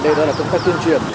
đây đó là công tác tuyên truyền